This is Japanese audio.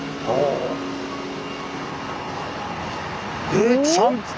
えちゃんと。